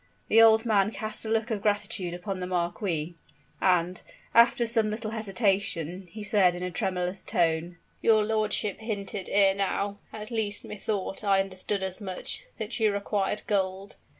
The old man cast a look of gratitude upon the marquis; and, after some little hesitation, he said in a tremulous tone, "Your lordship hinted ere now at least methought I understood as much that you required gold.